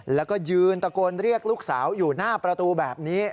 แล้วก็ยืนตะโกนเรียกลูกสาวอยู่หน้าประตูแบบนี้